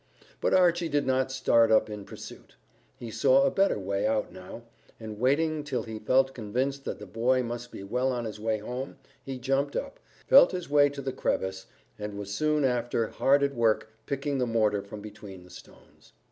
But Archy did not start up in pursuit. He saw a better way out now, and waiting till he felt convinced that the boy must be well on his way home, he jumped up, felt his way to the crevice, and was soon after hard at work picking the mortar from between the stones.